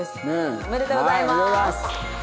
おめでとうございます。